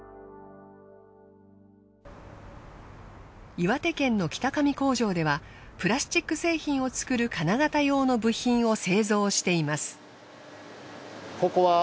岩手県の北上工場ではプラスチック製品を作る金型用の部品を製造しています。